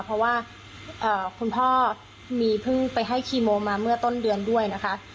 เพราะว่าคุณพ่อมีเพิ่งไปให้คีโมมาเมื่อต้นเดือนด้วยนะคะ